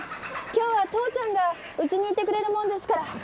今日は父ちゃんが家にいてくれるもんですから。